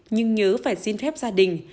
nhưng nhớ phải xin phép gia đình